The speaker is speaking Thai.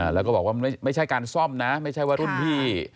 แล้วก็บอกว่าไม่ใช่การซ่อมนะไม่ใช่ว่ารุ่นพี่